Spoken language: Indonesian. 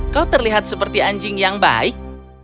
kau terlihat seperti anjing yang baik